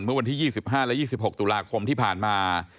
เมื่อวันที่๒๕และ๒๖ตุลาคมที่ผ่านมา